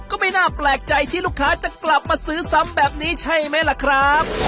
ก็ไม่น่าแปลกใจที่ลูกค้าจะกลับมาซื้อซ้ำแบบนี้ใช่ไหมล่ะครับ